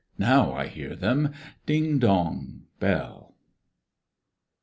now I hear them, Ding dong, bell.